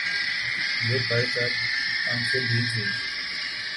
یہ پڑھ کر آنکھیں بھیگ گئیں۔